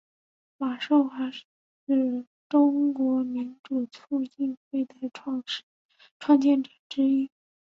马寿华是中国民主促进会的创建者之一。